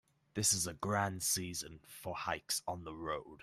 This is a grand season for hikes on the road.